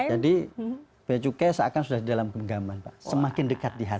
iya jadi pabean cukai seakan sudah di dalam kebengaman pak semakin dekat di hati